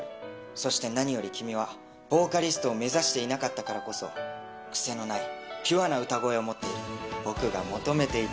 そして何より君は、ボーカリストを目指していなかったからこそ、癖のない、ピュアな歌声を持っている。